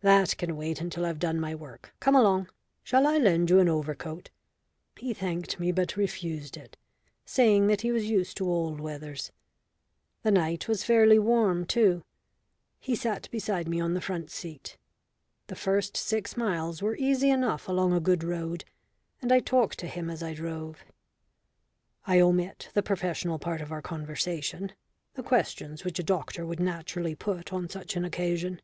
"That can wait until I've done my work. Come along. Shall I lend you an overcoat?" He thanked me but refused it, saying that he was used to all weathers. The night was fairly warm too. He sat beside me on the front seat. The first six miles were easy enough along a good road, and I talked to him as I drove. I omit the professional part of our conversation the questions which a doctor would naturally put on such an occasion.